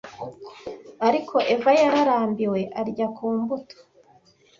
ariko eva yararambiwe arya ku mbuto